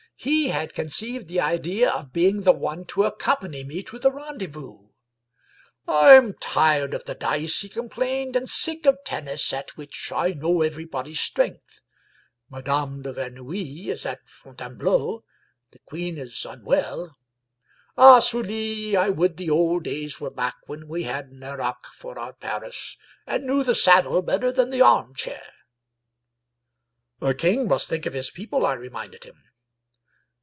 He had conceived the idea of being the one to accompany me to the rendezvous. " I am tired of the dice," he complained, " and sick of tennis, at which I know everybody's strength. Madame de Verneuil is at Fontaine bleau, the queen is tmwell. Ah, Sully, I would the old days were back when we had Nerac for our Paris, and knew the saddle better than the armchair !"" A king must think of his people," I reminded him.